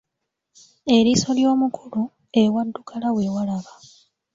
Eriiso ly'omukulu, ewaddugala we walaba.